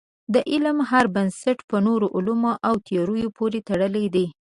د هر علم بنسټ په نورو علومو او تیوریو پورې تړلی دی.